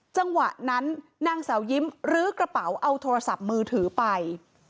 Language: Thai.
จังหวะนั้นนางสาวยิ้มลื้อกระเป๋าเอาโทรศัพท์มือถือไป